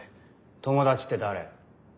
友達って誰？